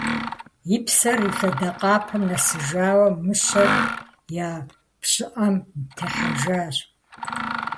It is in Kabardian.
И псэр и лъэдакъэпэм нэсыжауэ, мыщэр я пщыӏэм техьэжащ.